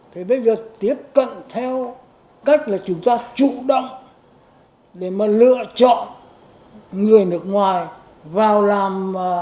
thế bây giờ tiếp cận theo cách là chúng ta chủ động để mà lựa chọn người nước ngoài vào làm